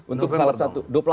untuk salah satu